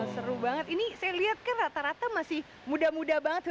seru banget ini saya lihat kan rata rata masih muda muda banget